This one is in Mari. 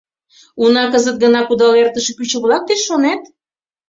Уна кызыт гына кудал эртыше пӱчӧ-влак деч, шонет?